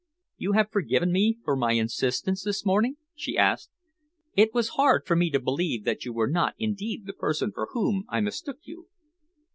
"You have forgiven me for my insistence this morning?" she asked. "It was hard for me to believe that you were not indeed the person for whom I mistook you."